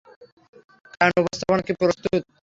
করণ, উপস্থাপনা কি প্রস্তুত?